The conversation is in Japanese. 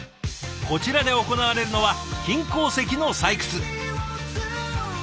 こちらで行われるのは金鉱石の採掘。